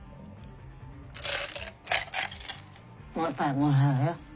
もう一杯もらうよ。